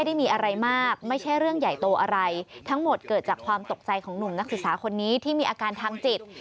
ตัวโตอะไรทั้งหมดเกิดจากความตกใจของหนุ่มนักศึกษาคนนี้ที่มีอาการทางจิต